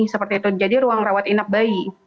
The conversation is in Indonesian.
seperti itu jadi ruang rawat inap bayi